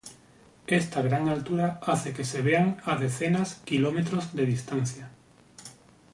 Esta gran altura hace que se vean a decenas kilómetros de distancia.